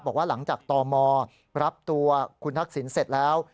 บอกว่าหลังจากตมรับตัวคุณทักษิณเสร็จแล้ว